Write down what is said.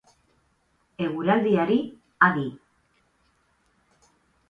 Eguraldiari, adi.